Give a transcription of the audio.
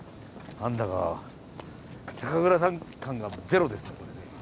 何だか酒蔵さん感がゼロですね。